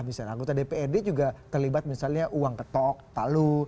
misalnya anggota dprd juga terlibat misalnya uang ketok palu